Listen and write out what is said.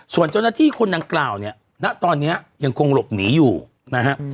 ส่วนเจ้าหน้าที่คนดังกล่าวเนี่ยณตอนนี้ยังคงหลบหนีอยู่นะฮะ